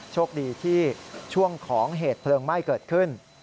โชคดีที่ช่วงของเหตุเพลิงไหม้เกิดขึ้น